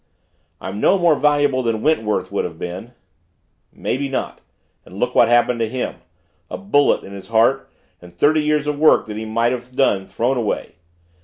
"I'm no more valuable than Wentworth would have been." "Maybe not and look what happened to him! A bullet hole in his heart and thirty years of work that he might have done thrown away!